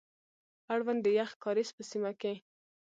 اړوند د يخ کاريز په سيمه کي،